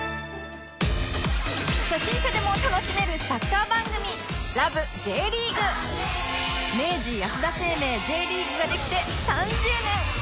初心者でも楽しめるサッカー番組明治安田生命 Ｊ リーグができて３０年！